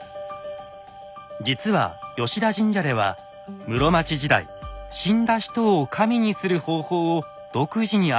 実は吉田神社では室町時代死んだ人を神にする方法を独自に編み出していたのです。